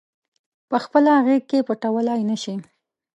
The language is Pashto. پخپله غیږ کې پټولای نه شي